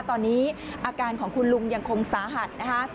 ตอนนี้อาการของคุณลุงยังคงสาหัสนะคะ